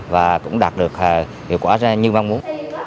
và cũng đạt được hiệu quả như mong muốn